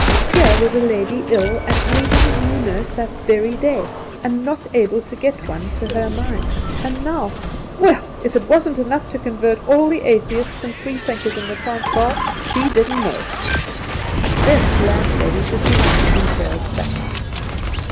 Here was a lady ill and needing a new nurse that very day, and not able to get one to her mind, and now well, if it wasn't enough to convert all the Atheists and Freethinkers in the Transvaal, she didn't know! Then the landlady proceeded to detail facts.